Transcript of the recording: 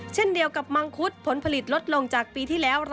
เช่นเดียวกับมังคุดผลผลิตลดลงจากปีที่แล้ว๑๐